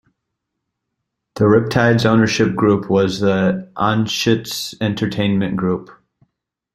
The Riptide's ownership group was the Anschutz Entertainment Group.